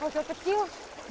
oh cukup kecil